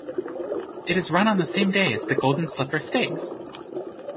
It is run on the same day as the Golden Slipper Stakes.